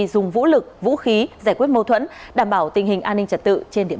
dùng vũ lực vũ khí giải quyết mâu thuẫn đảm bảo tình hình an ninh trật tự trên địa